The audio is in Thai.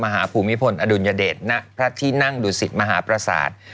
มหาภูมิพลอดุญเดชน์ณพระที่นั่งดุสิตมหาประศาสตร์